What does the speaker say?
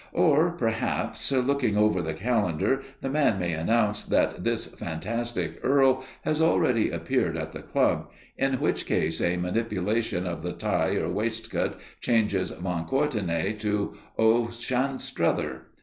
Or perhaps, looking over the calendar, the man may announce that this fantastic Earl has already appeared at the club, in which case a manipulation of the tie or waistcoat changes von Courtenay to O'Anstruther.